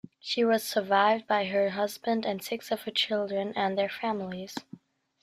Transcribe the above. She was survived by her husband, and six of her children and their families.